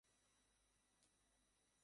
আদিতি তুমি ঠিক আছো?